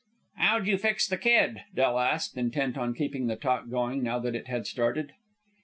"How'd you fix the kid?" Del asked, intent on keeping the talk going now that it had started.